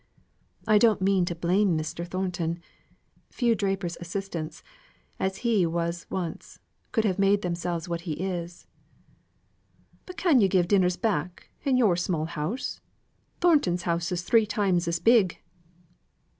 I don't mean to blame Mr. Thornton. Few drapers' assistants, as he was once, could have made themselves what he is." "But can yo' give dinners back, in yo're small house? Thornton's house is three times as big."